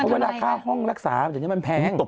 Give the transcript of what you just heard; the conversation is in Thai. เวลาข้าวห้องรักษามันแพง